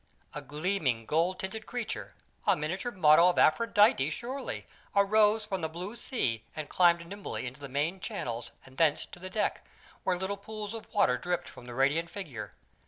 A gleaming, gold tinted creature, a miniature model of Aphrodite surely, arose from the blue sea and climbed nimbly into the main channels and thence to the deck, where little pools of water dripped from the radiant figure.